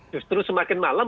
justru semakin malam